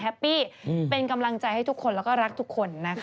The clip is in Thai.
แฮปปี้เป็นกำลังใจให้ทุกคนและรักทุกคน